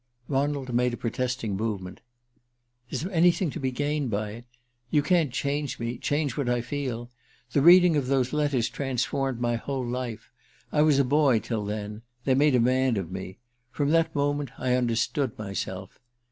Ronald made a protesting movement. "Is anything to be gained by it? You can't change me change what I feel. The reading of those letters transformed my whole life I was a boy till then: they made a man of me. From that moment I understood myself."